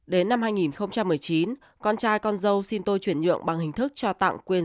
đến năm hai nghìn một mươi chín con trai con dâu xin tôi chuyển nhượng bằng hình thức cho tặng quyền